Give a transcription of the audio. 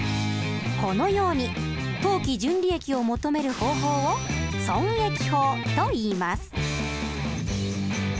このように当期純利益を求める方法を損益法といいます。